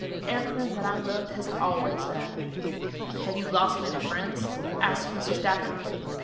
"Everything that I loved has always died." "Have you lost many friends?" asked Mr. Stafford.